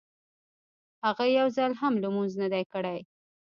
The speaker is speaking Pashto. هغه يو ځل هم لمونځ نه دی کړی.